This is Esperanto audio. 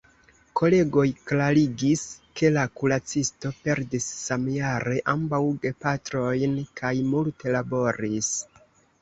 Kolegoj klarigis ke la kuracisto perdis samjare ambaŭ gepatrojn kaj multe laboris.